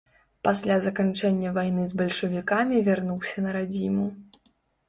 Пасля заканчэння вайны з бальшавікамі вярнуўся на радзіму.